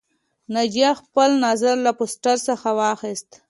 ناجیه خپل نظر له پوسټر څخه واخیست